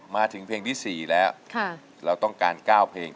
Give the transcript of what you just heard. มาถึงเพลงที่๔แล้วเราต้องการ๙เพลง